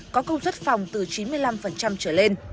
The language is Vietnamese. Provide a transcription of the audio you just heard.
có công suất phòng từ chín mươi năm trở lên